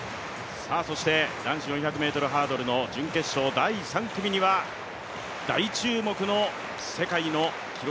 男子４００ｍハードルの第３組には大注目の世界の記録